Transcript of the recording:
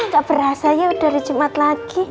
gak perasa ya udah hari jumat lagi